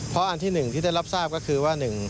เพราะอันที่๑ที่ได้รับทราบก็คือว่า